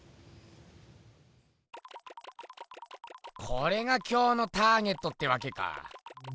これが今日のターゲットってわけか。